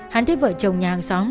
hắn thích vợ chồng nhà hàng xóm